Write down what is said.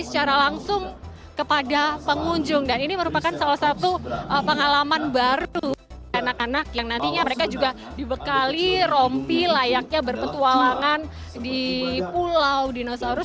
secara langsung kepada pengunjung dan ini merupakan salah satu pengalaman baru anak anak yang nantinya mereka juga dibekali rompi layaknya berpetualangan di pulau dinosaurus